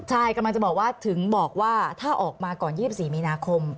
ใช่กำลังจะบอกว่าถึงบอกว่าถ้าออกมาก่อน๒๔มีนาคม